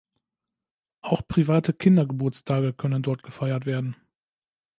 Auch private Kindergeburtstage können dort gefeiert werden.